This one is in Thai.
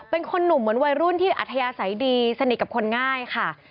เป็นคนหนุ่มเหมือนวัยรุ่นที่อัธยาศัยดีสนิทกับคนง่ายค่ะ